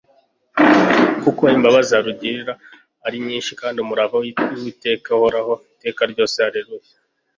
Kuko imbabazi arugirira ari nyinshi, Kandi umurava w'Uwiteka Uhoraho iteka ryose. Haleluya.y»